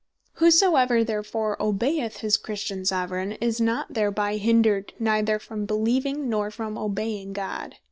Whosoever therefore obeyeth his Christian Soveraign, is not thereby hindred, neither from beleeving, nor from obeying God.